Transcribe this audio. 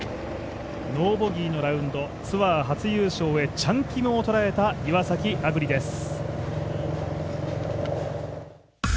ノーボギーのラウンドツアー初優勝へチャン・キムを捉えた岩崎亜久竜です。